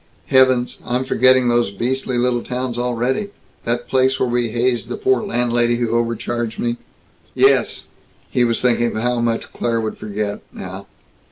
Heavens, I'm forgetting those beastly little towns already that place where we hazed the poor landlady who overcharged me." "Yes." He was thinking of how much Claire would forget, now.